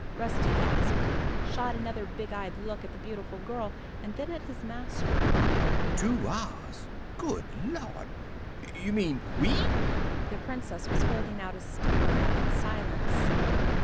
Rusty gasped, shot another big eyed look at the beautiful girl and then at his master. "Two hours good Lawd! you mean WE?" The Princess was holding out a steamer rug in silence.